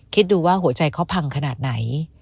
คิดดูว่าหัวใจเขาพังขนาดไหน